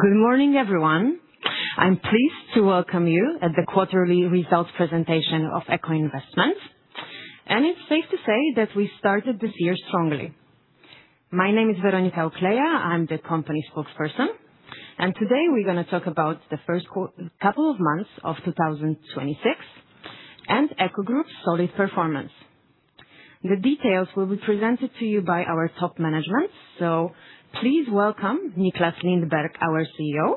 Good morning, everyone. I'm pleased to welcome you at the quarterly results presentation of Echo Investment. It's safe to say that we started this year strongly. My name is Weronika Ukleja, I'm the company Spokesperson, and today we're going to talk about the first couple of months of 2026 and Echo Group's solid performance. The details will be presented to you by our top management. Please welcome Nicklas Lindberg, our CEO,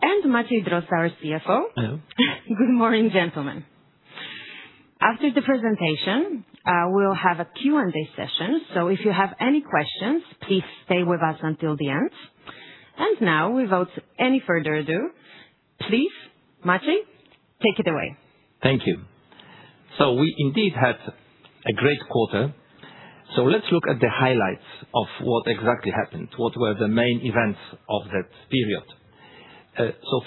and Maciej Drozd, our CFO. Hello. Good morning, gentlemen. After the presentation, we'll have a Q&A session, so if you have any questions, please stay with us until the end. Now, without any further ado, please, Maciej, take it away. Thank you. We indeed had a great quarter. Let's look at the highlights of what exactly happened, what were the main events of that period.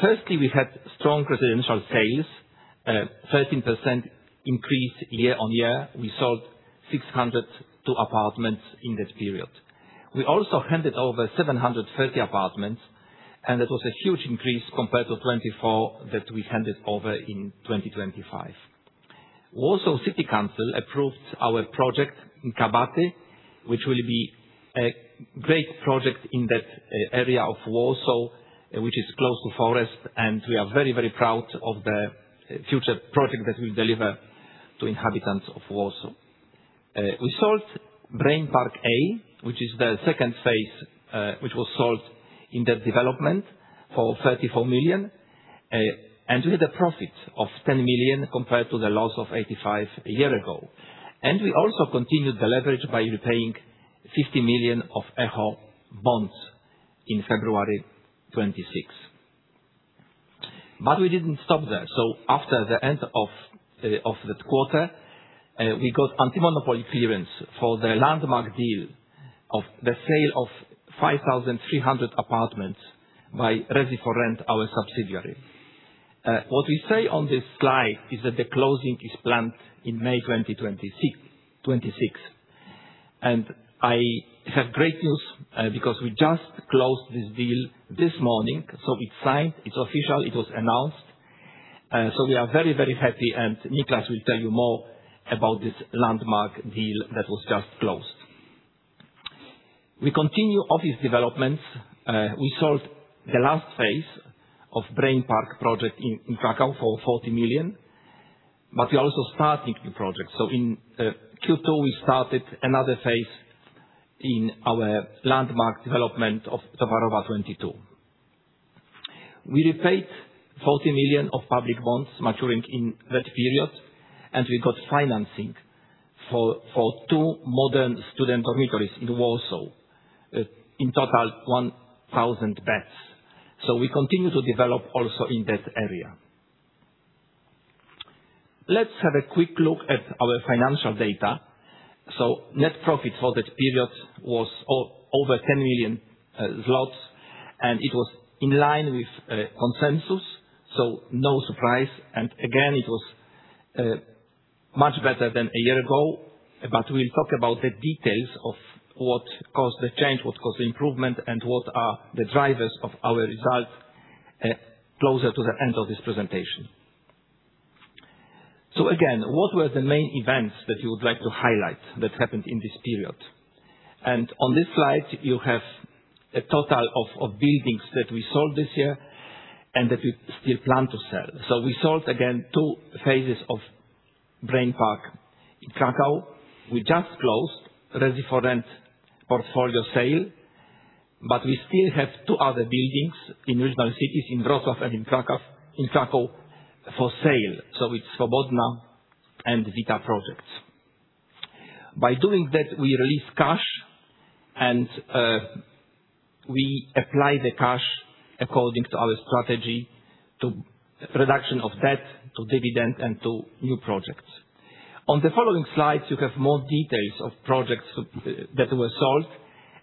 Firstly, we had strong residential sales, 13% increase year-on-year. We sold 602 apartments in that period. We also handed over 730 apartments, it was a huge increase compared to 24 that we handed over in 2025. Warsaw City Council approved our project in Kabaty, which will be a great project in that area of Warsaw, which is close to forest, we are very proud of the future project that we'll deliver to inhabitants of Warsaw. We sold Brain Park A, which is the phase II, which was sold in the development for 34 million. We had a profit of 10 million compared to the loss of 85 million a year ago. We also continued the leverage by repaying 50 million of Echo bonds in February 2026. We didn't stop there. After the end of that quarter, we got anti-monopoly clearance for the landmark deal of the sale of 5,300 apartments by Resi4Rent, our subsidiary. What we say on this slide is that the closing is planned in May 2026. I have great news, because we just closed this deal this morning. It's signed, it's official, it was announced. We are very, very happy, and Nicklas will tell you more about this landmark deal that was just closed. We continue office developments. We sold the last phase of Brain Park project in Kraków for 40 million. We are also starting new projects. In Q2, we started another phase in our landmark development of Towarowa 22. We repaid 40 million of public bonds maturing in that period. We got financing for two modern student dormitories in Warsaw. In total, 1,000 beds. We continue to develop also in that area. Let's have a quick look at our financial data. Net profit for that period was over 10 million zlotys. It was in line with consensus, no surprise. Again, it was much better than a year ago. We'll talk about the details of what caused the change, what caused the improvement, and what are the drivers of our results closer to the end of this presentation. Again, what were the main events that you would like to highlight that happened in this period? On this slide, you have a total of buildings that we sold this year and that we still plan to sell. We sold again two phases of Brain Park in Kraków. We just closed Resi4Rent portfolio sale, but we still have two other buildings in regional cities, in Wrocław and in Kraków, for sale. It's Swobodna and Vita projects. By doing that, we release cash, and we apply the cash according to our strategy, to reduction of debt, to dividend, and to new projects. On the following slides, you have more details of projects that were sold,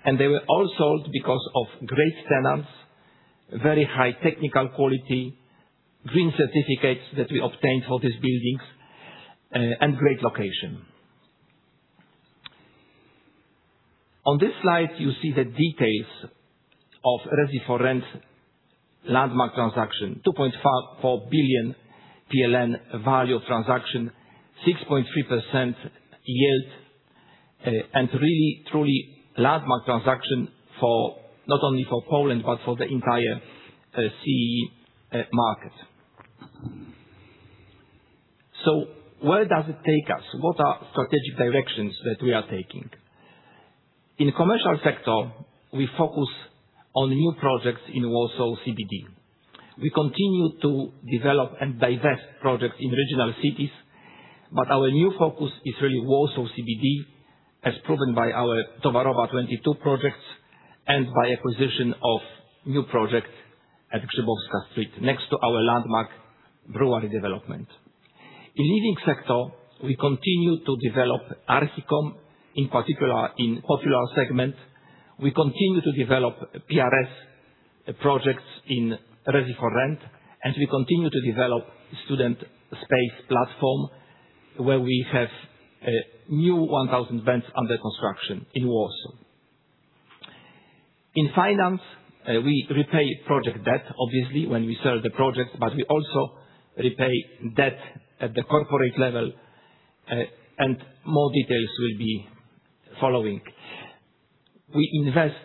and they were all sold because of great tenants, very high technical quality, green certificates that we obtained for these buildings, and great location. On this slide, you see the details of Resi4Rent landmark transaction, 2.4 billion PLN value transaction, 6.3% yield, and really truly landmark transaction not only for Poland, but for the entire CEE market. Where does it take us? What are strategic directions that we are taking? In commercial sector, we focus on new projects in Warsaw CBD. We continue to develop and divest projects in regional cities, but our new focus is really Warsaw CBD, as proven by our Towarowa 22 projects and by acquisition of new projects at Grzybowska Street, next to our landmark brewery development. In living sector, we continue to develop Archicom, in particular in popular segment. We continue to develop PRS projects in Resi4Rent, and we continue to develop Student Space platform, where we have a new 1,000 beds under construction in Warsaw. In finance, we repay project debt, obviously, when we sell the project, but we also repay debt at the corporate level, and more details will be following. We invest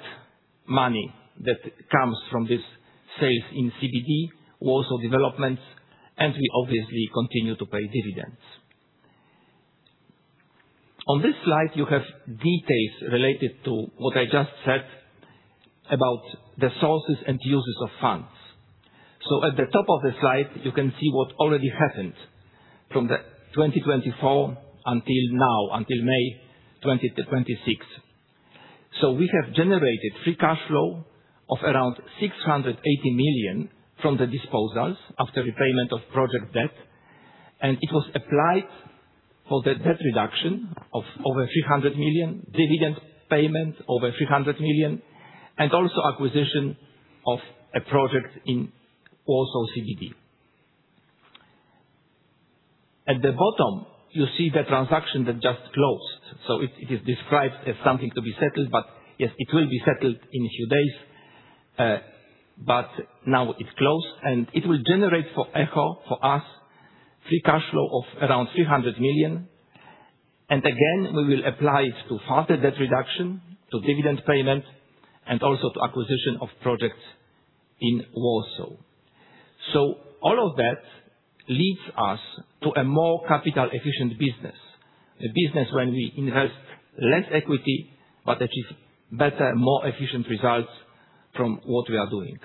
money that comes from this sale in CBD, Warsaw developments, and we obviously continue to pay dividends. On this slide, you have details related to what I just said about the sources and uses of funds. At the top of the slide, you can see what already happened from 2024 until now, until May 2026. We have generated free cash flow of around 680 million from the disposals after repayment of project debt, and it was applied for the debt reduction of over 300 million, dividend payment over 300 million, and also acquisition of a project in Warsaw CBD. At the bottom, you see the transaction that just closed. It is described as something to be settled. Yes, it will be settled in a few days. But now it is closed, and it will generate for Echo, for us, free cash flow of around 300 million. Again, we will apply it to further debt reduction, to dividend payment, and also to acquisition of projects in Warsaw. All of that leads us to a more capital-efficient business. A business when we invest less equity, but achieve better and more efficient results from what we are doing.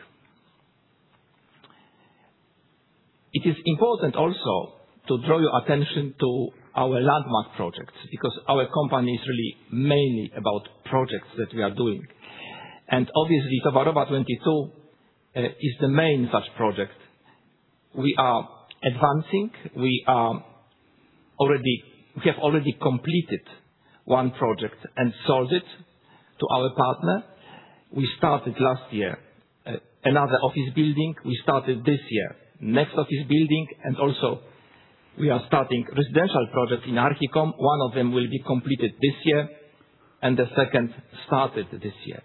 It is important also to draw your attention to our landmark projects, because our company is really mainly about projects that we are doing. Obviously, Towarowa 22 is the main such project. We are advancing. We have already completed one project and sold it to our partner. We started last year, another office building. We started this year, next office building, and also we are starting residential projects in Archicom. One of them will be completed this year and the second started this year.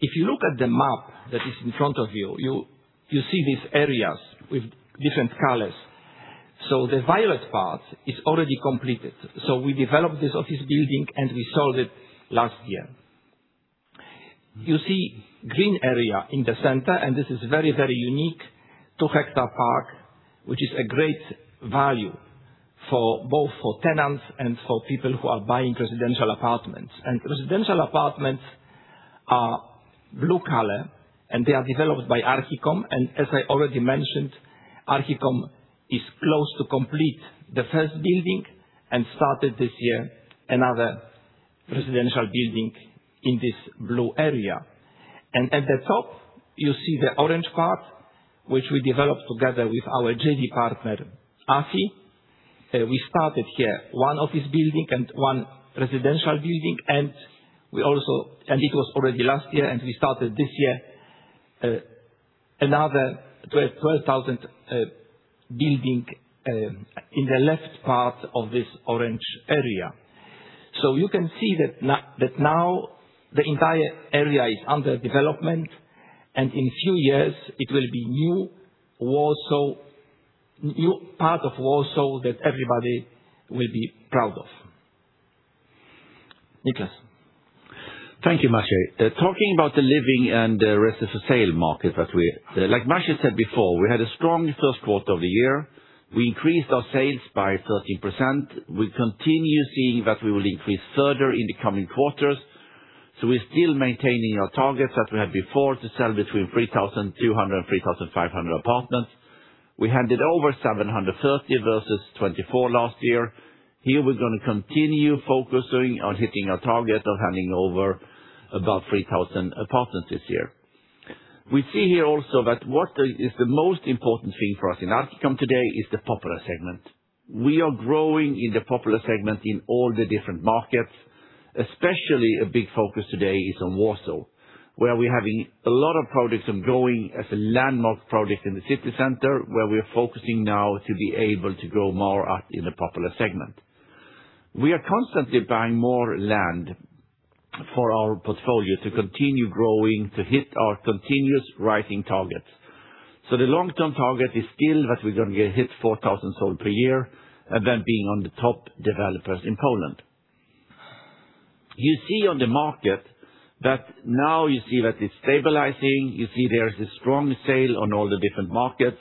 If you look at the map that is in front of you see these areas with different colors. The violet part is already completed. We developed this office building and we sold it last year. You see green area in the center, and this is very, very unique two-hectare park, which is a great value both for tenants and for people who are buying residential apartments. Residential apartments are blue color, and they are developed by Archicom. As I already mentioned, Archicom is close to complete the first building and started this year, another residential building in this blue area. At the top, you see the orange part, which we developed together with our JV partner, AFI. We started here one office building and one residential building. It was already last year, and we started this year, another 12,000 building in the left part of this orange area. You can see that now the entire area is under development, and in few years it will be new part of Warsaw that everybody will be proud of. Nicklas. Thank you, Maciej. Talking about the living and the rest of the sale market. Like Maciej said before, we had a strong first quarter of the year. We increased our sales by 13%. We continue seeing that we will increase further in the coming quarters. We're still maintaining our targets as we had before, to sell between 3,200 and 3,500 apartments. We handed over 730 versus 24 last year. Here we're going to continue focusing on hitting our target of handing over about 3,000 apartments this year. We see here also that what is the most important thing for us in Archicom today is the popular segment. We are growing in the popular segment in all the different markets, especially a big focus today is on Warsaw, where we're having a lot of projects and growing as a landmark project in the city center, where we are focusing now to be able to grow more in the popular segment. We are constantly buying more land for our portfolio to continue growing, to hit our continuous rising targets. The long-term target is still that we're going to hit 4,000 sold per year, and then being on the top developers in Poland. You see on the market that now you see that it's stabilizing. You see there is a strong sale on all the different markets.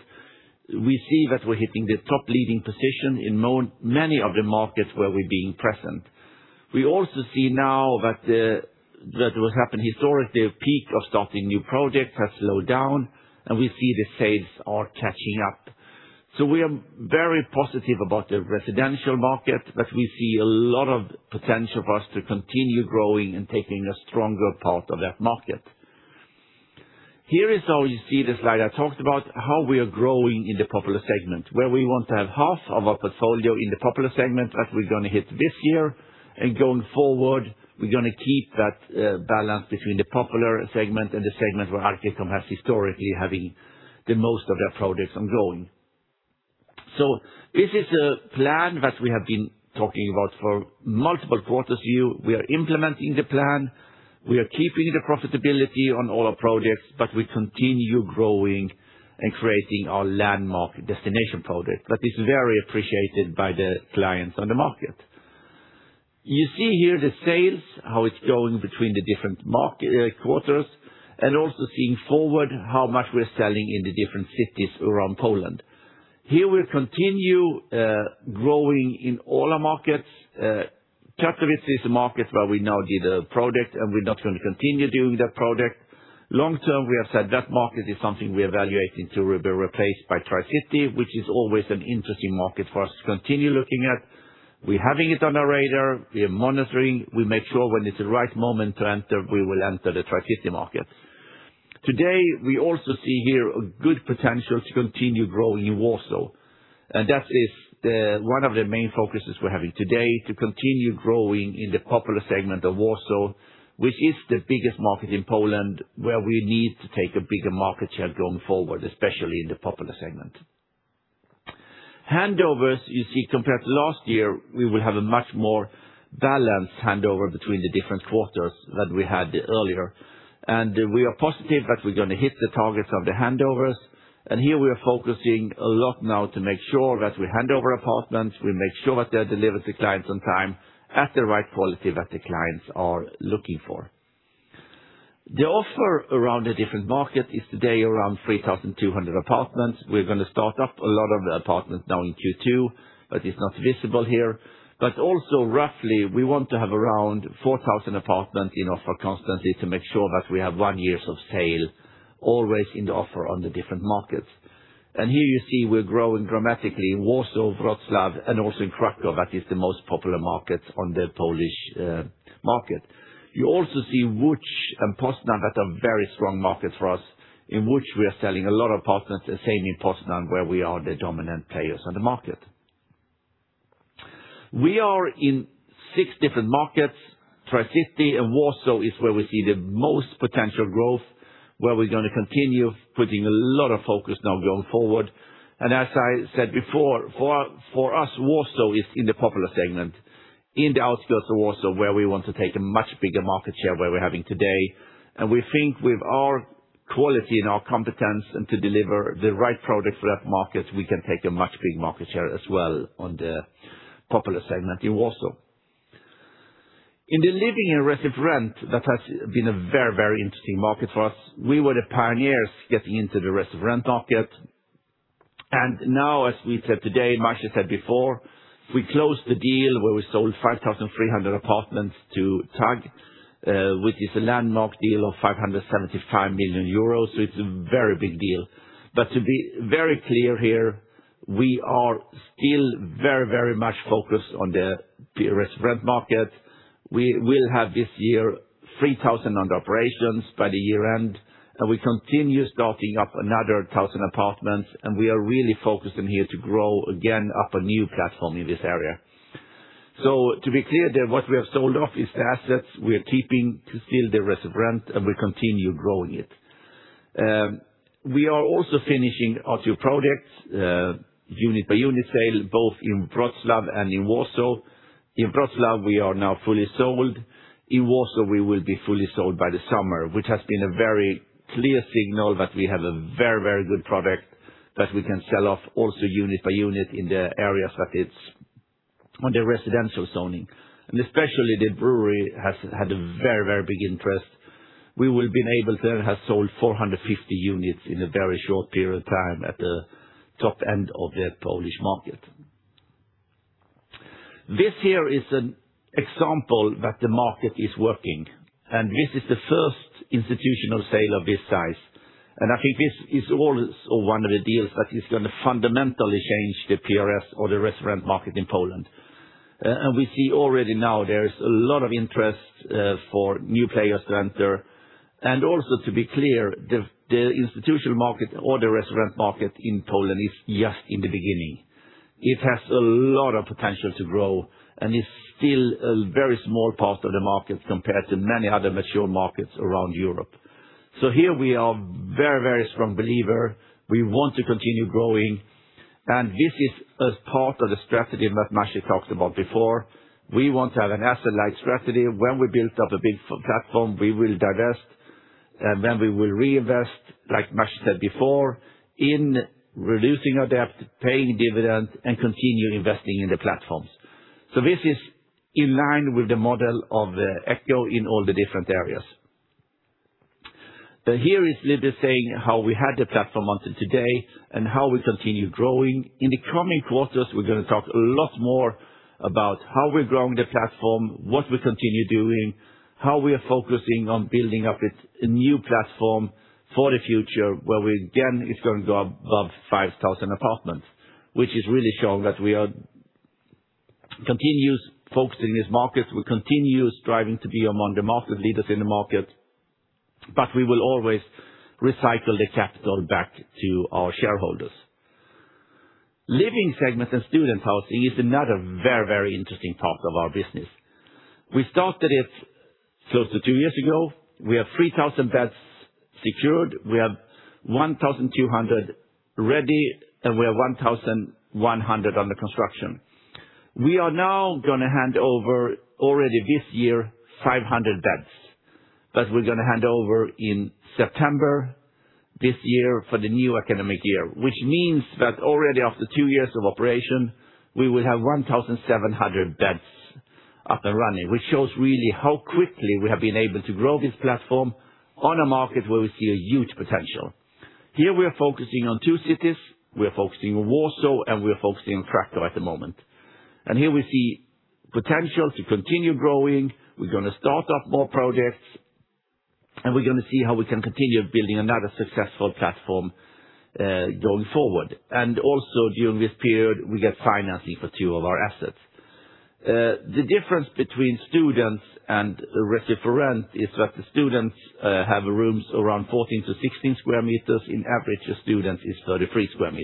We see that we're hitting the top leading position in many of the markets where we're being present. We also see now that what happened historically, peak of starting new projects has slowed down, and we see the sales are catching up. We are very positive about the residential market, that we see a lot of potential for us to continue growing and taking a stronger part of that market. Here is how you see the slide I talked about, how we are growing in the popular segment, where we want to have half of our portfolio in the popular segment that we're going to hit this year. Going forward, we're going to keep that balance between the popular segment and the segment where Archicom has historically having the most of their projects ongoing. This is a plan that we have been talking about for multiple quarters. We are implementing the plan. We are keeping the profitability on all our projects, but we continue growing and creating our landmark destination project that is very appreciated by the clients on the market. You see here the sales, how it's going between the different quarters, and also seeing forward how much we're selling in the different cities around Poland. Here we'll continue growing in all our markets. Katowice is a market where we now did a project, and we're not going to continue doing that project. Long-term, we have said that market is something we are evaluating to be replaced by Tricity, which is always an interesting market for us to continue looking at. We're having it on our radar. We are monitoring. We make sure when it's the right moment to enter, we will enter the Tricity market. Today, we also see here a good potential to continue growing in Warsaw. That is one of the main focuses we're having today, to continue growing in the popular segment of Warsaw, which is the biggest market in Poland, where we need to take a bigger market share going forward, especially in the popular segment. Handovers, you see, compared to last year, we will have a much more balanced handover between the different quarters than we had earlier. We are positive that we're going to hit the targets of the handovers. Here we are focusing a lot now to make sure that we hand over apartments, we make sure that they're delivered to clients on time at the right quality that the clients are looking for. The offer around the different market is today around 3,200 apartments. We're going to start up a lot of the apartments now in Q2, but it's not visible here. also roughly, we want to have around 4,000 apartments in offer constantly to make sure that we have one years of sale always in the offer on the different markets. here you see we're growing dramatically in Warsaw, Wrocław, and also in Kraków. That is the most popular market on the Polish market. You also see Łódź and Poznań that are very strong markets for us, in which we are selling a lot of apartments, the same in Poznań, where we are the dominant players on the market. We are in six different markets. Tricity and Warsaw is where we see the most potential growth, where we're going to continue putting a lot of focus now going forward. As I said before, for us, Warsaw is in the popular segment. In the outskirts of Warsaw, where we want to take a much bigger market share where we're having today. We think with our quality and our competence, and to deliver the right product for that market, we can take a much bigger market share as well on the popular segment in Warsaw. In the living and residential rent, that has been a very interesting market for us. We were the pioneers getting into the residential rent market. Now, as we said today, Maciej said before, we closed the deal where we sold 5,300 apartments to TAG, which is a landmark deal of 575 million euros. It's a very big deal. To be very clear here, we are still very much focused on the residential rent market. We will have this year, 3,000 under operations by the year end. We continue starting up another 1,000 apartments. We are really focusing here to grow again up a new platform in this area. To be clear, what we have sold off is the assets we are keeping to still the residential rent. We continue growing it. We are also finishing our two products, unit by unit sale, both in Wrocław and in Warsaw. In Wrocław, we are now fully sold. In Warsaw, we will be fully sold by the summer, which has been a very clear signal that we have a very good product that we can sell off also unit by unit in the areas that it's on the residential zoning. Especially the brewery has had a very big interest. We will be able to have sold 450 units in a very short period of time at the top end of the Polish market. This here is an example that the market is working, this is the first institutional sale of this size. I think this is also one of the deals that is going to fundamentally change the PRS or the residential rent market in Poland. We see already now there is a lot of interest for new players to enter. Also to be clear, the institutional market or the residential rent market in Poland is just in the beginning. It has a lot of potential to grow, it's still a very small part of the market compared to many other mature markets around Europe. Here we are very strong believer. We want to continue growing. This is a part of the strategy that Maciej talked about before. We want to have an asset-light strategy. When we built up a big platform, we will divest, and then we will reinvest, like Maciej said before, in reducing our debt, paying dividends, and continue investing in the platforms. This is in line with the model of the Echo in all the different areas. Here is literally saying how we had the platform until today and how we continue growing. In the coming quarters, we're going to talk a lot more about how we're growing the platform, what we continue doing, how we are focusing on building up this new platform for the future, where we again, it's going to go above 5,000 apartments, which is really showing that we are continuous focusing this market. We continue striving to be among the market leaders in the market, we will always recycle the capital back to our shareholders. Living segment and student housing is another very interesting part of our business. We started it close to two years ago. We have 3,000 beds secured, we have 1,200 ready, and we have 1,100 under construction. We are now going to hand over already this year 500 beds that we're going to hand over in September this year for the new academic year. Means that already after two years of operation, we will have 1,700 beds up and running, which shows really how quickly we have been able to grow this platform on a market where we see a huge potential. Here we are focusing on two cities. We are focusing on Warsaw and we are focusing on Kraków at the moment. Here we see potential to continue growing. We're going to start up more projects, and we're going to see how we can continue building another successful platform going forward. Also during this period, we get financing for two of our assets. The difference between students and Resi4Rent is that the students have rooms around 14 sq m-16 sq m. On average, a student is 33 sq m.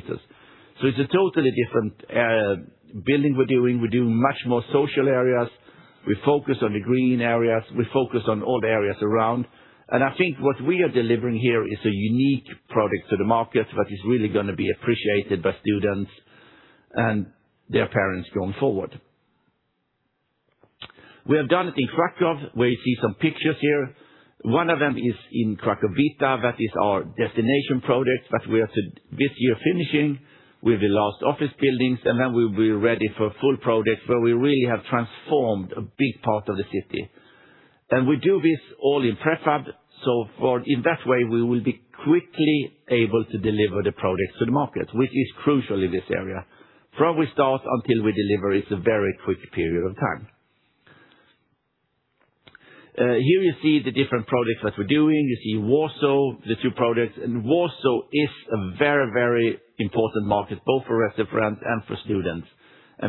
It's a totally different building we're doing. We do much more social areas. We focus on the green areas. We focus on all the areas around. I think what we are delivering here is a unique product to the market that is really going to be appreciated by students and their parents going forward. We have done it in Kraków, where you see some pictures here. One of them is in Kraków Vita. That is our destination project that we are this year finishing with the last office buildings. Then we'll be ready for a full project where we really have transformed a big part of the city. We do this all in prefab. For in that way, we will be quickly able to deliver the project to the market, which is crucial in this area. From we start until we deliver, it's a very quick period of time. Here you see the different projects that we're doing. You see Warsaw, the two projects. Warsaw is a very important market, both for Resi4Rent and for students.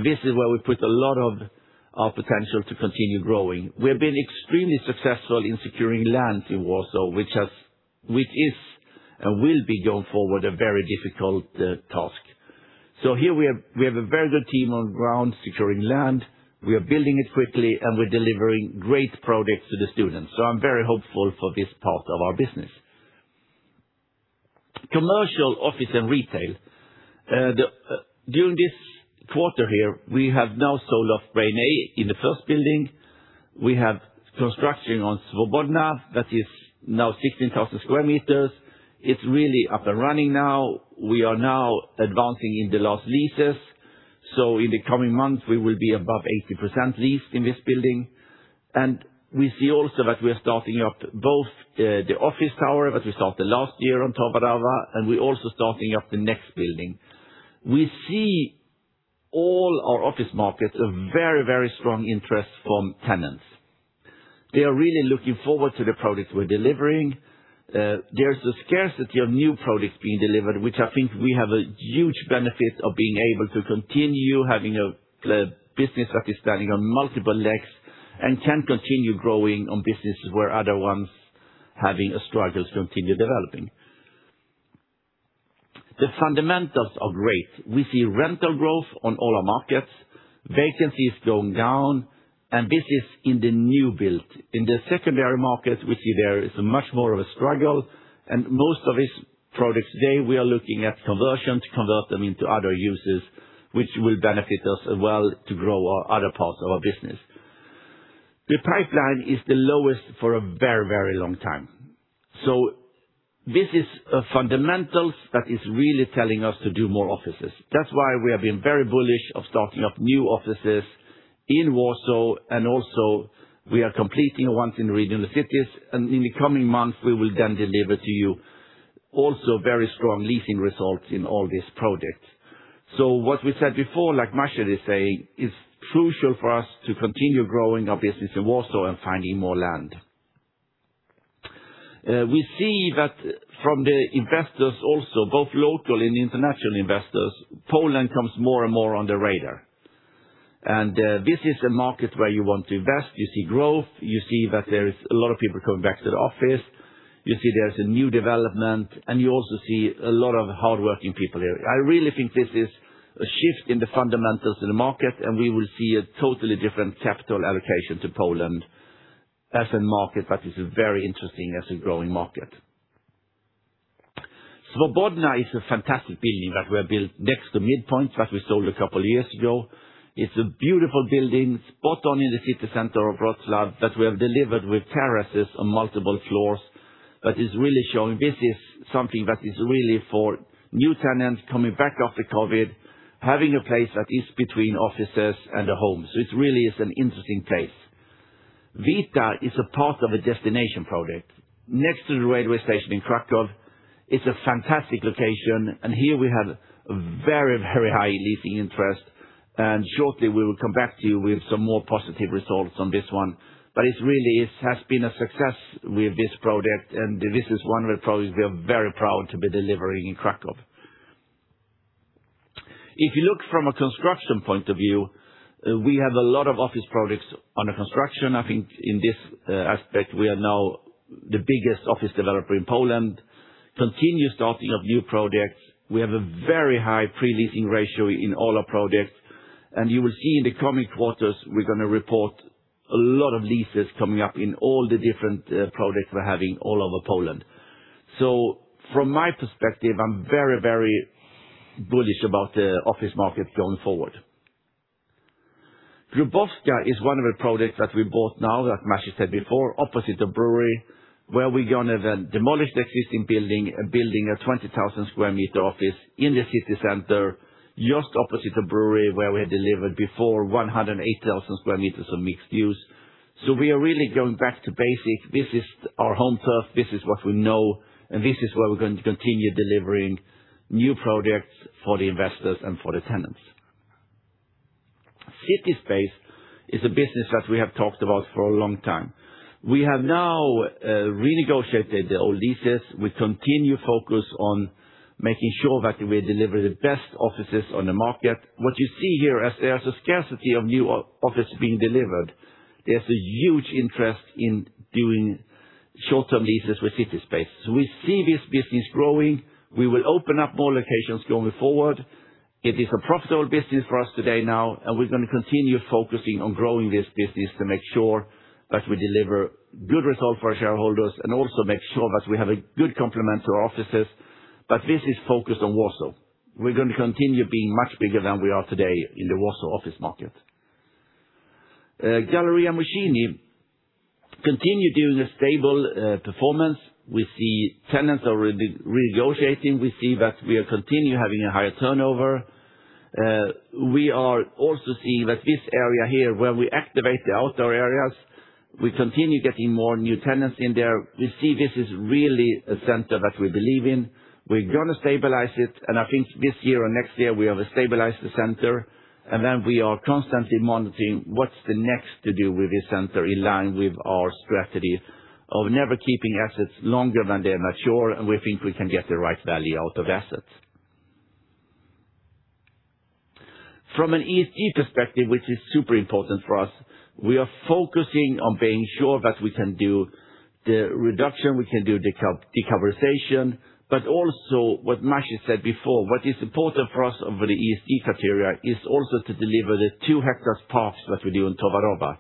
This is where we put a lot of our potential to continue growing. We have been extremely successful in securing land in Warsaw, which is, and will be going forward, a very difficult task. Here we have a very good team on ground securing land. We are building it quickly, we're delivering great projects to the students. I'm very hopeful for this part of our business. Commercial office and retail. During this quarter here, we have now sold off Brain B in the first building. We have construction on Swobodna. That is now 16,000 sq m. It's really up and running now. We are now advancing in the last leases. In the coming months, we will be above 80% leased in this building. We see also that we are starting up both the office tower that we started last year on Towarowa, and we're also starting up the next building. We see all our office markets a very strong interest from tenants. They are really looking forward to the products we're delivering. There's a scarcity of new products being delivered, which I think we have a huge benefit of being able to continue having a business that is standing on multiple legs and can continue growing on businesses where other ones having a struggle to continue developing. The fundamentals are great. We see rental growth on all our markets. Vacancy is going down, and this is in the new build. In the secondary market, we see there is much more of a struggle, and most of these products today, we are looking at conversion to convert them into other uses, which will benefit us as well to grow our other parts of our business. The pipeline is the lowest for a very long time. This is a fundamentals that is really telling us to do more offices. That's why we have been very bullish of starting up new offices in Warsaw, and also we are completing ones in the regional cities, and in the coming months, we will then deliver to you also very strong leasing results in all these projects. What we said before, like Maciej is saying, it's crucial for us to continue growing our business in Warsaw and finding more land. We see that from the investors also, both local and international investors, Poland comes more and more on the radar. This is a market where you want to invest. You see growth, you see that there is a lot of people coming back to the office. You see there is a new development, and you also see a lot of hardworking people here. I really think this is a shift in the fundamentals in the market. We will see a totally different capital allocation to Poland as a market that is very interesting as a growing market. Swobodna is a fantastic building that were built next to MidPoint, that we sold a couple years ago. It's a beautiful building, spot on in the city center of Wrocław that we have delivered with terraces on multiple floors. That is really showing this is something that is really for new tenants coming back after COVID, having a place that is between offices and a home. It really is an interesting place. Vita is a part of a destination project next to the railway station in Kraków. It's a fantastic location. Here we have very high leasing interest. Shortly we will come back to you with some more positive results on this one. It really has been a success with this project, and this is one of the projects we are very proud to be delivering in Kraków. If you look from a construction point of view. We have a lot of office projects under construction. I think in this aspect, we are now the biggest office developer in Poland. Continue starting of new projects. We have a very high pre-leasing ratio in all our projects, and you will see in the coming quarters, we're going to report a lot of leases coming up in all the different projects we're having all over Poland. From my perspective, I'm very bullish about the office market going forward. Grzybowska We see this business growing. We will open up more locations going forward. It is a profitable business for us today now, and we're going to continue focusing on growing this business to make sure that we deliver good results for our shareholders, and also make sure that we have a good complement to our offices. This is focused on Warsaw. We're going to continue being much bigger than we are today in the Warsaw office market. Westfield Mokotów continue doing a stable performance. We see tenants are renegotiating. We see that we are continue having a higher turnover. We are also seeing that this area here, where we activate the outdoor areas, we continue getting more new tenants in there. We see this is really a center that we believe in. We're going to stabilize it, and I think this year or next year, we have stabilized the center. Then we are constantly monitoring what's the next to do with this center, in line with our strategy of never keeping assets longer than they're mature, and we think we can get the right value out of assets. From an ESG perspective, which is super important for us, we are focusing on being sure that we can do the reduction, we can do decarbonization, but also what Maciej said before, what is important for us over the ESG criteria is also to deliver the two hectares parks that we do in Towarowa.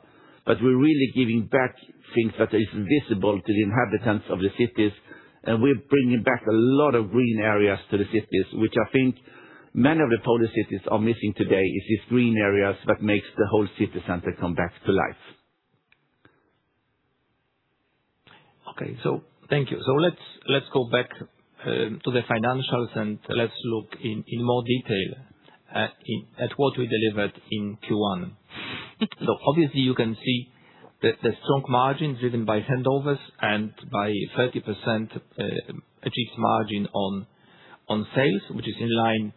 We're really giving back things that is visible to the inhabitants of the cities, and we're bringing back a lot of green areas to the cities, which I think many of the Polish cities are missing today, is this green areas that makes the whole city center come back to life. Okay. Thank you. Let's go back to the financials, and let's look in more detail at what we delivered in Q1. Obviously, you can see the strong margins driven by handovers and by 30% achieved margin on sales, which is in line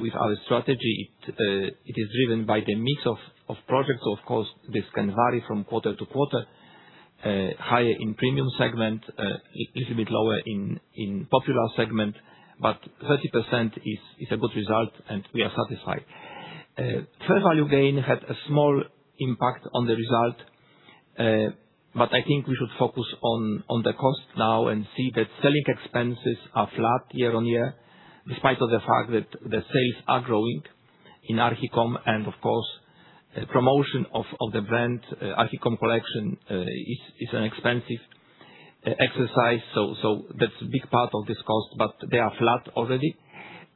with our strategy. It is driven by the mix of projects. Of course, this can vary from quarter-to-quarter. Higher in premium segment, a little bit lower in popular segment, but 30% is a good result, and we are satisfied. Fair value gain had a small impact on the result, but I think we should focus on the cost now and see that selling expenses are flat year-on-year, despite of the fact that the sales are growing in Archicom and of course, promotion of the brand Archicom collection is an expensive exercise. That's a big part of this cost, but they are flat already.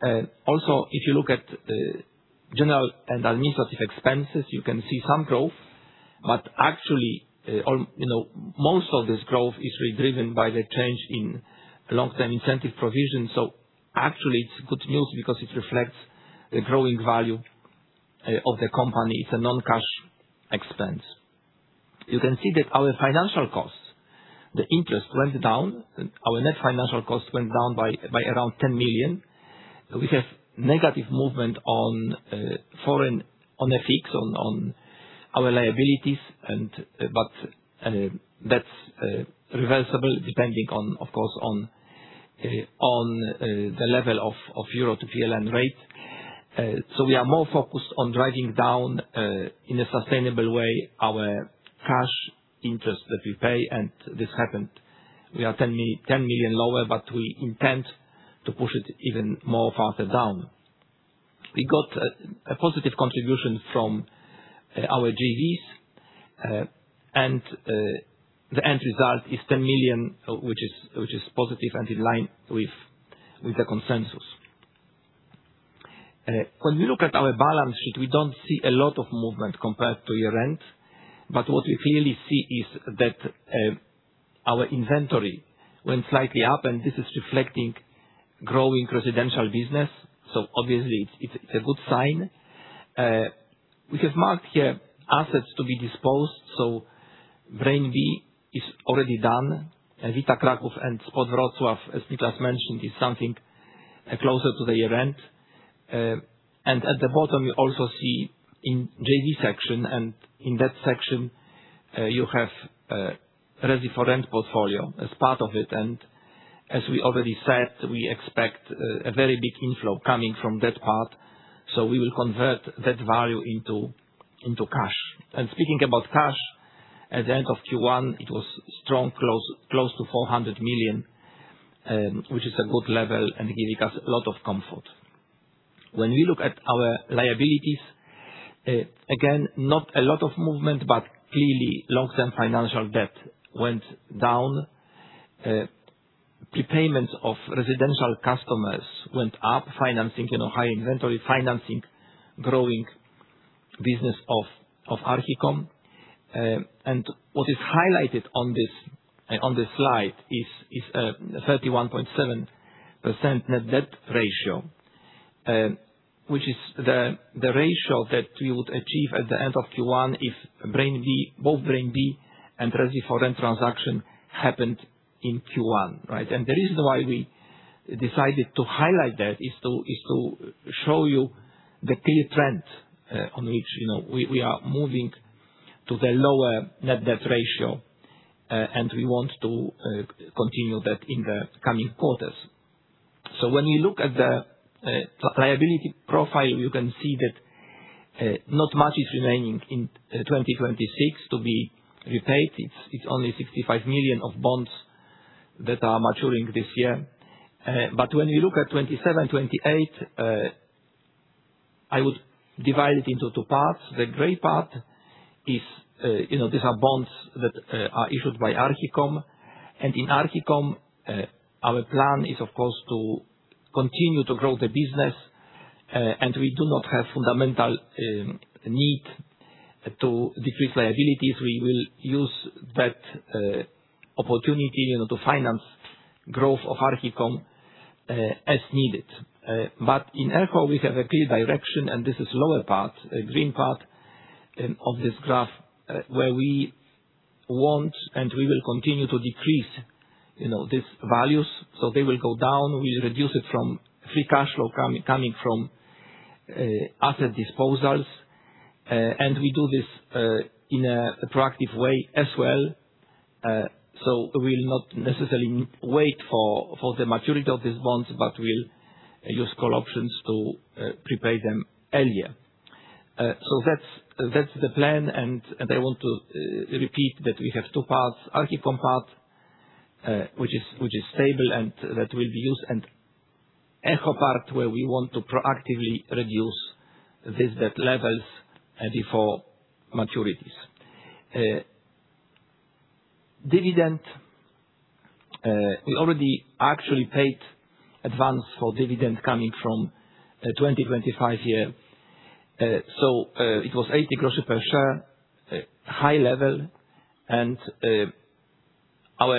If you look at general and administrative expenses, you can see some growth, but actually, most of this growth is really driven by the change in long-term incentive provision. Actually, it's good news because it reflects the growing value of the company. It's a non-cash expense. You can see that our financial costs, the interest went down. Our net financial cost went down by around 10 million, which has negative movement on FX on our liabilities. That's reversible depending, of course, on the level of euro to PLN rate. We are more focused on driving down, in a sustainable way, our cash interest that we pay, and this happened. We are 10 million lower, but we intend to push it even more farther down. We got a positive contribution from our JVs. The end result is 10 million, which is positive and in line with the consensus. When we look at our balance sheet, we don't see a lot of movement compared to year-end. What we clearly see is that our inventory went slightly up. This is reflecting growing residential business. Obviously, it's a good sign. We have marked here assets to be disposed. Brain B is already done. Vita Kraków and Swobodna Wrocław, as Nicklas mentioned, is something closer to the year-end. At the bottom, you also see in JV section. In that section, you have Resi4Rent portfolio as part of it. As we already said, we expect a very big inflow coming from that part. We will convert that value into cash. Speaking about cash, at the end of Q1, it was strong, close to 400 million, which is a good level and giving us a lot of comfort. We look at our liabilities, again, not a lot of movement, but clearly long-term financial debt went down. Prepayments of residential customers went up, financing high inventory, financing growing business of Archicom. What is highlighted on this slide is a 31.7% net debt ratio, which is the ratio that we would achieve at the end of Q1 if both Brain B and Resi4Rent transaction happened in Q1. Right? The reason why we decided to highlight that is to show you the clear trend, on which we are moving to the lower net debt ratio. We want to continue that in the coming quarters. When we look at the liability profile, you can see that not much is remaining in 2026 to be repaid. It's only 65 million of bonds that are maturing this year. When we look at 2027, 2028, I would divide it into two parts. The gray part, these are bonds that are issued by Archicom. In Archicom, our plan is, of course, to continue to grow the business, and we do not have fundamental need to decrease liabilities. We will use that opportunity to finance growth of Archicom as needed. In Echo we have a clear direction, and this is lower part, green part of this graph, where we want and we will continue to decrease these values, so they will go down. We'll reduce it from free cash flow coming from asset disposals. We do this in a proactive way as well. We'll not necessarily wait for the maturity of these bonds, but we'll use call options to prepay them earlier. That's the plan. I want to repeat that we have two parts. Archicom part, which is stable and that will be used, and Echo part, where we want to proactively reduce this debt levels before maturities. Dividend. We already actually paid advance for dividend coming from 2025. It was 0.80 per share, high level. Our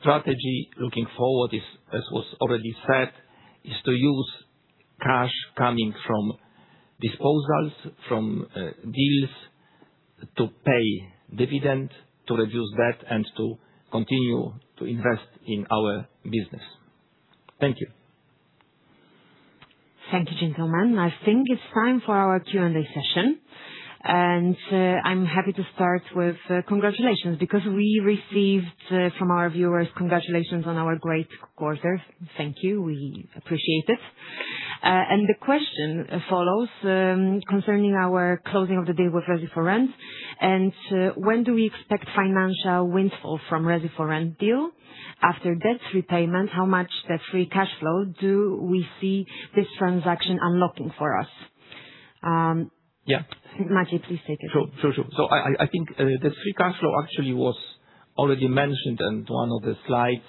strategy looking forward is, as was already said, is to use cash coming from disposals, from deals to pay dividend, to reduce debt and to continue to invest in our business. Thank you. Thank you, gentlemen. I think it's time for our Q&A session. I'm happy to start with congratulations, because we received from our viewers congratulations on our great quarter. Thank you. We appreciate it. The question follows, concerning our closing of the deal with Resi4Rent. When do we expect financial windfall from Resi4Rent deal? After debt repayment, how much debt-free cash flow do we see this transaction unlocking for us? Yeah. Maciej, please take it. Sure. I think the free cash flow actually was already mentioned in one of the slides.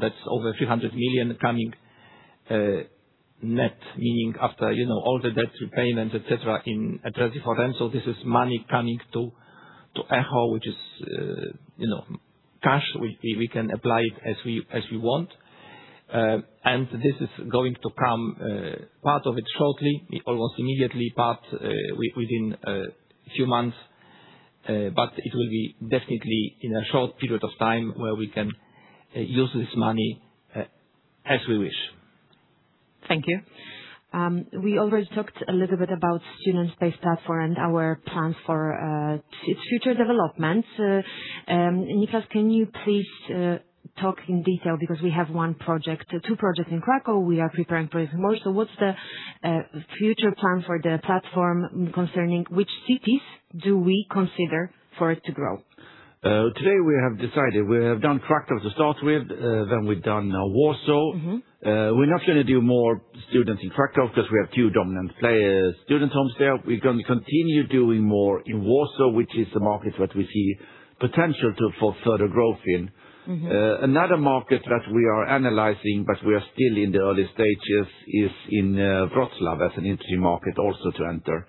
That's over 300 million coming, net, meaning after all the debt repayment, et cetera, in Resi4Rent. This is money coming to Echo, which is cash. We can apply it as we want. This is going to come, part of it shortly, almost immediately, part within a few months. It will be definitely in a short period of time where we can use this money as we wish. Thank you. We already talked a little bit about Student Space platform and our plans for its future developments. Nicklas, can you please talk in detail, because we have two projects in Kraków, we are preparing for in Warsaw. What's the future plan for the platform concerning which cities do we consider for it to grow? Today, we have decided we have done Kraków to start with, then we've done now Warsaw. We're not going to do more students in Kraków because we have two dominant players, student homes there. We're going to continue doing more in Warsaw, which is a market that we see potential for further growth in. Another market that we are analyzing, but we are still in the early stages, is in Wrocław as an entry market also to enter.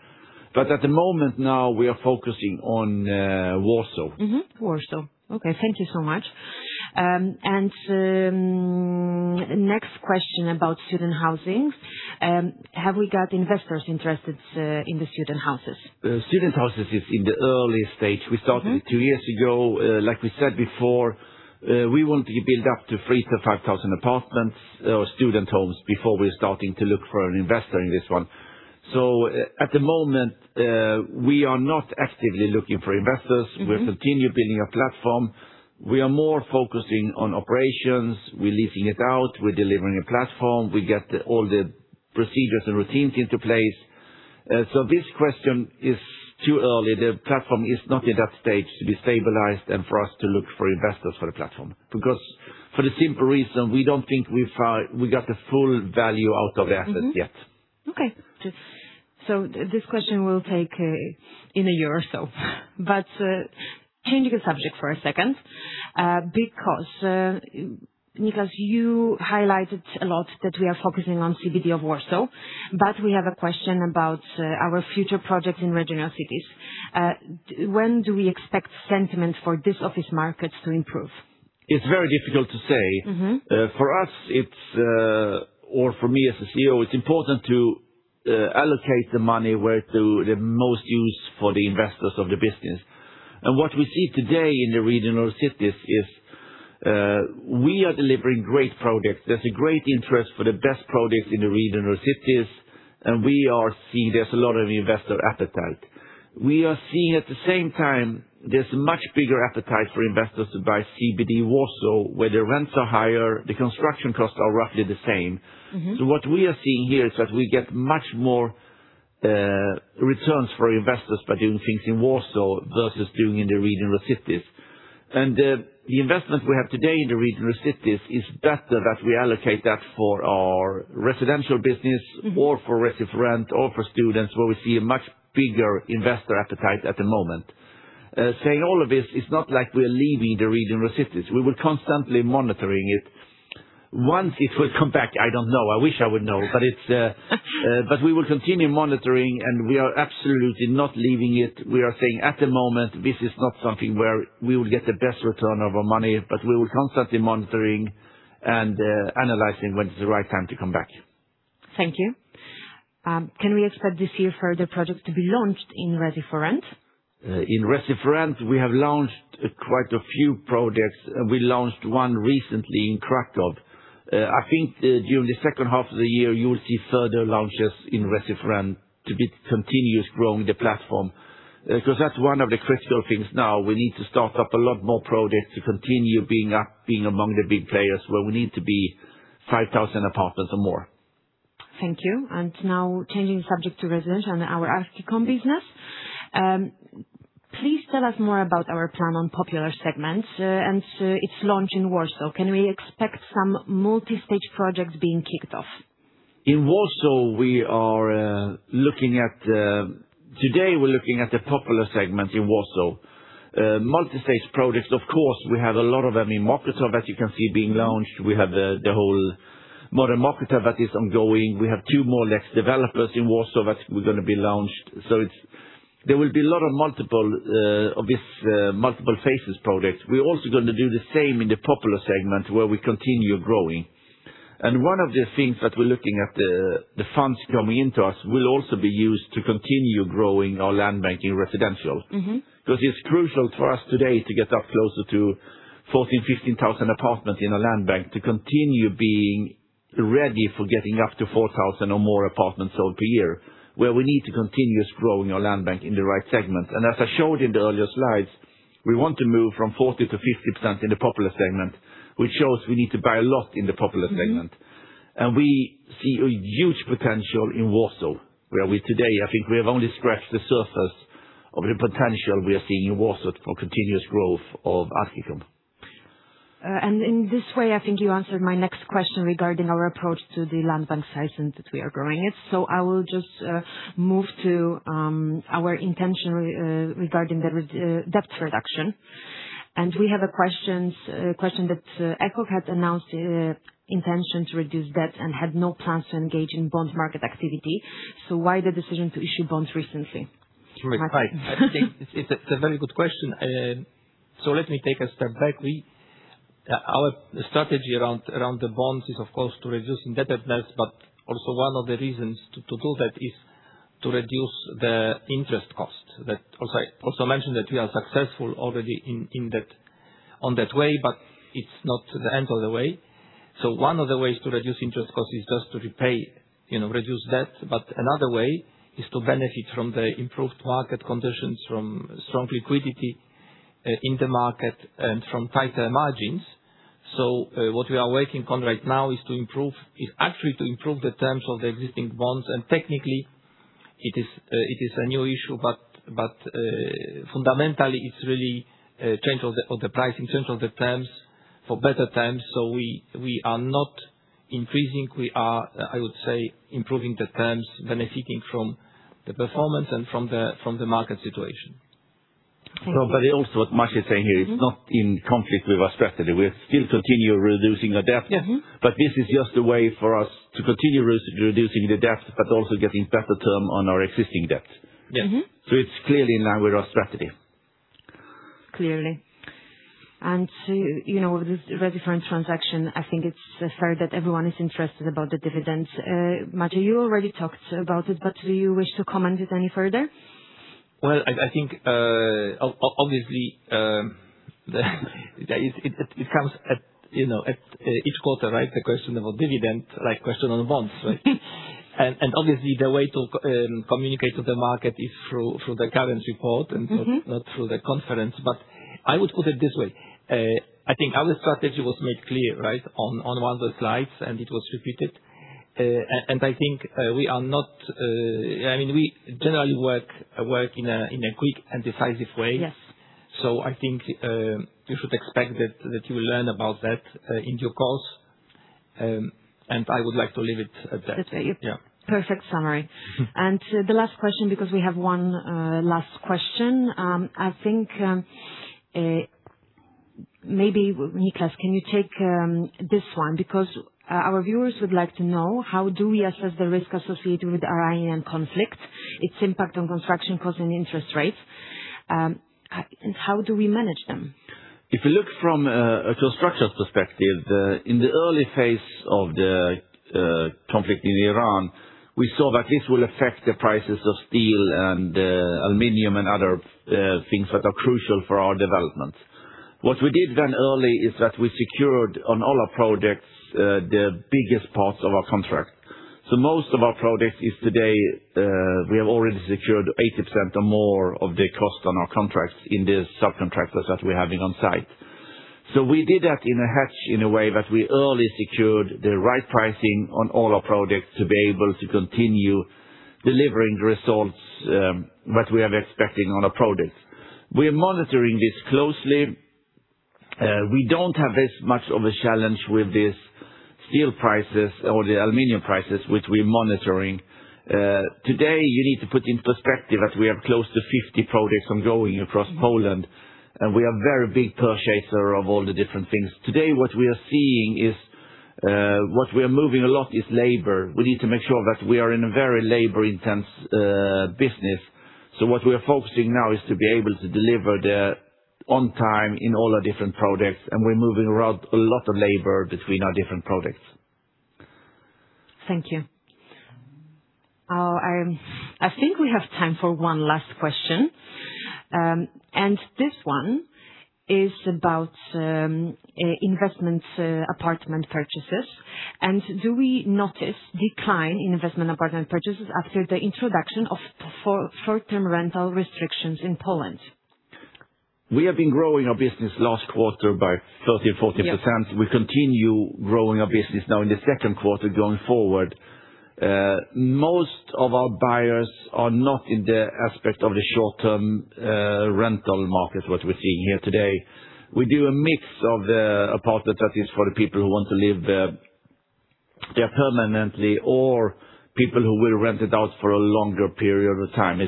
At the moment now we are focusing on Warsaw. Warsaw. Okay. Thank you so much. Next question about student housings. Have we got investors interested in the student houses? Student houses is in the early stage. We started it two years ago. Like we said before, we want to build up to 3,000-5,000 apartments or student homes before we're starting to look for an investor in this one. At the moment, we are not actively looking for investors. We're continue building a platform. We are more focusing on operations. We're leasing it out. We're delivering a platform. We get all the procedures and routines into place. This question is too early. The platform is not at that stage to be stabilized and for us to look for investors for the platform. For the simple reason, we don't think we got the full value out of the assets yet. Okay. This question will take in a year or so. Changing the subject for a second, because Nicklas, you highlighted a lot that we are focusing on CBD of Warsaw, but we have a question about our future projects in regional cities. When do we expect sentiment for these office markets to improve? It's very difficult to say. For us, or for me as a CEO, it's important to allocate the money where the most use for the investors of the business. What we see today in the regional cities is, we are delivering great projects. There's a great interest for the best projects in the regional cities, and we see there's a lot of investor appetite. We are seeing at the same time, there's much bigger appetite for investors to buy CBD Warsaw, where the rents are higher, the construction costs are roughly the same. What we are seeing here is that we get much more returns for investors by doing things in Warsaw versus doing in the regional cities. The investment we have today in the regional cities is better that we allocate that for our residential business or for Resi4Rent or for students, where we see a much bigger investor appetite at the moment. Saying all of this, it's not like we are leaving the regional cities. We were constantly monitoring it. Once it will come back, I don't know. I wish I would know. We will continue monitoring, and we are absolutely not leaving it. We are saying at the moment, this is not something where we will get the best return of our money, but we will constantly monitoring and analyzing when is the right time to come back. Thank you. Can we expect this year further projects to be launched in Resi4Rent? In Resi4Rent, we have launched quite a few projects. We launched one recently in Kraków. I think during the second half of the year, you will see further launches in Resi4Rent to be continuous growing the platform. That's one of the crucial things now. We need to start up a lot more projects to continue being up, being among the big players, where we need to be 5,000 apartments or more. Thank you. Now changing subject to residential and our Archicom business. Please tell us more about our plan on popular segments and its launch in Warsaw. Can we expect some multi-stage projects being kicked off? In Warsaw, today we're looking at the popular segment in Warsaw. Multi-stage projects, of course, we have a lot of them in Mokotów that you can see being launched. We have the whole Modern Mokotów that is ongoing. We have two more Lex Developers in Warsaw that we're going to be launched. There will be a lot of this multiple phases projects. We're also going to do the same in the popular segment, where we continue growing. One of the things that we're looking at, the funds coming into us, will also be used to continue growing our land bank in residential. It's crucial for us today to get up closer to 14,000, 15,000 apartments in our land bank to continue being ready for getting up to 4,000 or more apartments per year, where we need to continuous growing our land bank in the right segment. As I showed in the earlier slides, we want to move from 40%-50% in the popular segment, which shows we need to buy a lot in the popular segment. We see a huge potential in Warsaw, where we today, I think we have only scratched the surface of the potential we are seeing in Warsaw for continuous growth of Archicom. In this way, I think you answered my next question regarding our approach to the land bank size and that we are growing it. I will just move to our intention regarding the debt reduction. We have a question that Echo had announced intention to reduce debt and had no plans to engage in bond market activity. Why the decision to issue bonds recently? Maciej. It's a very good question. Let me take a step back. Our strategy around the bonds is, of course, to reducing indebtedness, but also one of the reasons to do that is to reduce the interest cost. That also I mentioned that we are successful already on that way, but it's not the end of the way. One of the ways to reduce interest cost is just to repay, reduce debt. Another way is to benefit from the improved market conditions, from strong liquidity in the market, and from tighter margins. What we are working on right now is actually to improve the terms of the existing bonds, and technically it is a new issue, but fundamentally, it's really a change of the pricing, change of the terms for better terms. We are not increasing. We are, I would say, improving the terms, benefiting from the performance and from the market situation. Thank you. Also what Maciej is saying here. -is not in conflict with our strategy. We still continue reducing the debt. Yeah. This is just a way for us to continue reducing the debt but also getting better term on our existing debt. Yeah. It's clearly in line with our strategy. Clearly. This Resi4rent transaction, I think it's fair that everyone is interested about the dividends. Maciej, you already talked about it, do you wish to comment it any further? Well, I think obviously it comes at each quarter, right? The question about dividend, question on bonds, right? obviously the way to communicate to the market is through the current report. Not through the conference. I would put it this way, I think our strategy was made clear, right, on one of the slides, and it was repeated. I think we generally work in a quick and decisive way. Yes. I think you should expect that you will learn about that in due course. I would like to leave it at that. That's a perfect summary. The last question, because we have one last question. I think, maybe Nicklas, can you take this one? Our viewers would like to know how do we assess the risk associated with Ukraine conflict, its impact on construction costs and interest rates, and how do we manage them? If you look from a construction perspective, in the early phase of the conflict in Ukraine, we saw that this will affect the prices of steel and aluminum and other things that are crucial for our development. What we did then early is that we secured, on all our projects, the biggest parts of our contract. Most of our projects is today, we have already secured 80% or more of the cost on our contracts in the subcontractors that we're having on site. We did that in a rush in a way that we early secured the right pricing on all our projects to be able to continue delivering the results that we are expecting on our projects. We are monitoring this closely. We don't have as much of a challenge with this steel prices or the aluminum prices, which we're monitoring. Today, you need to put in perspective that we have close to 50 projects ongoing across Poland, and we are a very big purchaser of all the different things. Today, what we are seeing is, what we are moving a lot is labor. We need to make sure that we are in a very labor intense business. What we are focusing now is to be able to deliver the on time in all our different projects, and we're moving around a lot of labor between our different projects. Thank you. I think we have time for one last question. This one is about investments apartment purchases, and do we notice decline in investment apartment purchases after the introduction of short-term rental restrictions in Poland? We have been growing our business last quarter by 30%, 40%. Yeah. We continue growing our business now in the second quarter going forward. Most of our buyers are not in the aspect of the short-term rental market, what we're seeing here today. We do a mix of the apartment that is for the people who want to live there permanently or people who will rent it out for a longer period of time.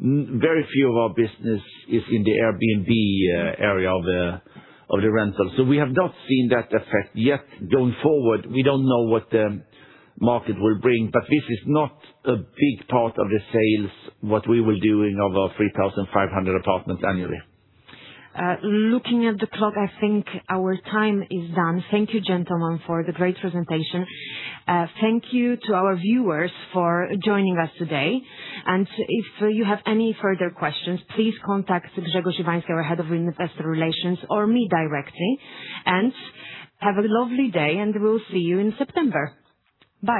Very few of our business is in the Airbnb area of the rental. We have not seen that effect yet. Going forward, we don't know what the market will bring, but this is not a big part of the sales, what we will do in over 3,500 apartments annually. Looking at the clock, I think our time is done. Thank you, gentlemen, for the great presentation. Thank you to our viewers for joining us today. If you have any further questions, please contact Grzegorz Siwiński, our Head of Investor Relations, or me directly. Have a lovely day, and we'll see you in September. Bye.